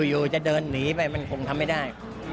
อยู่จะเดินหนีไปมันคงทำไม่ได้